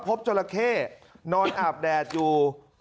พบจอละเข้นอนอาบแดดอยู่